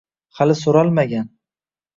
Hali so’ralmagan